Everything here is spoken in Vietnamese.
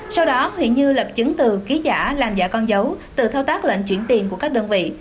sau đó huỳnh như lập chứng từ ký giả làm giả con dấu từ thao tác lệnh chuyển tiền của các đơn vị